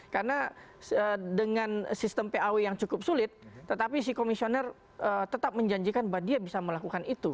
karena dengan sistem paw yang cukup sulit tetapi si komisioner tetap menjanjikan bahwa dia bisa melakukan itu